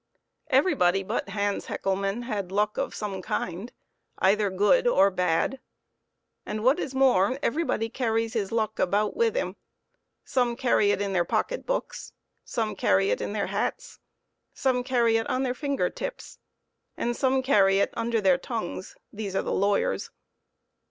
Everybody but Hans Hecklemann had luck of some kind, either good or bad, and, what is more, everybody carries their luck about with them ; some carry it in their pocket books, some carry it in their hats, some carry it on their finger tips, and some carry it under their tongues these are lawyers.